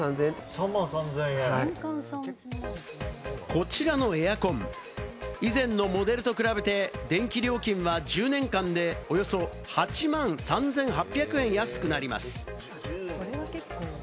こちらのエアコン、以前のモデルと比べて電気料金は１０年間でおよそ８万３８００円安くなります。